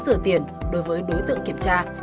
sửa tiền đối với đối tượng kiểm tra